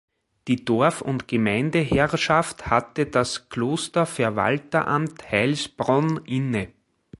Die Dorf- und Gemeindeherrschaft hatte das Klosterverwalteramt Heilsbronn inne.